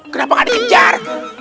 kenapa gak dikejar